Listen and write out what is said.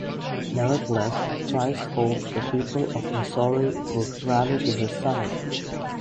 Nevertheless, Price hoped the people of Missouri would rally to his side.